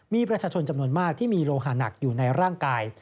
มีประชาชนจำนวนมากที่มีโลหาหนักอยู่ในร่างกาย